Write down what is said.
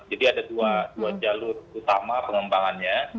jadi ada dua jalur utama pengembangannya